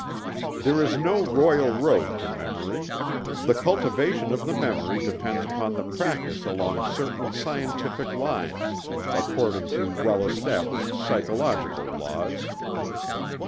There is no Royal Road to Memory. The cultivation of the memory depends upon the practice along certain scientific lines according to well established psychological laws.